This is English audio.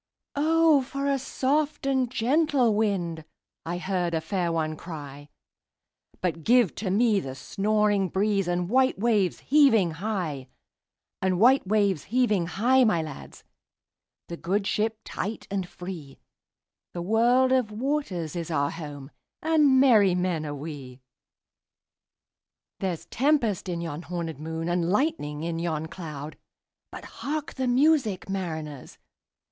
"O for a soft and gentle wind!"I heard a fair one cry:But give to me the snoring breezeAnd white waves heaving high; And white waves heaving high, my lads, The good ship tight and free—The world of waters is our home, And merry men are we. There's tempest in yon hornèd moon, And lightning in yon cloud:But hark the music, mariners!